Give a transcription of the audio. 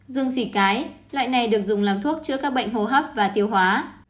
dương xỉ cái loại này được dùng làm thuốc chữa các bệnh hô hấp và tiêu hóa